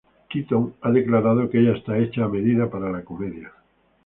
Keaton ha declarado que ella está: "hecha a medida para la comedia".